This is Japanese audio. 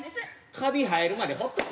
カビ生えるまでほっとけ。